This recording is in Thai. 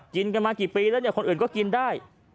กินมากี่ปีแล้วคนอื่นก็กินได้